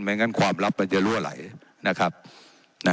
งั้นความลับมันจะรั่วไหลนะครับ